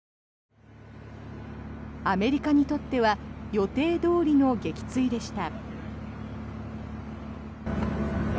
アメリカにとっては予定どおりの撃墜でした。